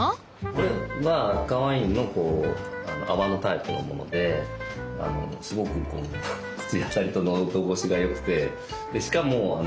これは赤ワインの泡のタイプのものですごく口当たりと喉越しがよくてしかも